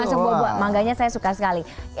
masuk buah buah mangganya saya suka sekali